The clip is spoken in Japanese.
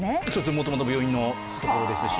もともと病院のところですし。